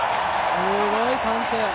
すごい歓声。